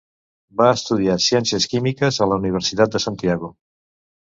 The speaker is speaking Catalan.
Va estudiar ciències químiques a la Universitat de Santiago.